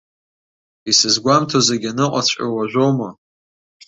Исызгәамҭо, зегь аныҟаҵәҟьоу уажәоума?